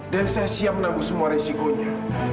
dan saya siap menangguh semua resikonya